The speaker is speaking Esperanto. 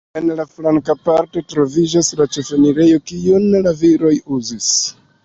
En la flanka parto troviĝas la ĉefenirejo, kiun la viroj uzis.